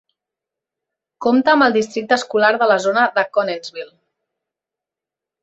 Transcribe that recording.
Compta amb el Districte Escolar de la Zona de Connellsville.